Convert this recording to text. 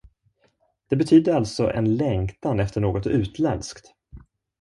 Det betydde alltså en längtan efter något utländskt.